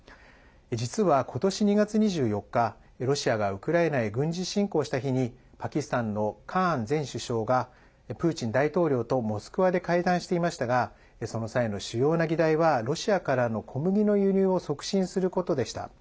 実は、ことし２月２４日ロシアがウクライナへ軍事侵攻した日にパキスタンのカーン前首相がプーチン大統領とモスクワで会談していましたがその際の主要な議題はロシアからの小麦の輸入を促進することでした。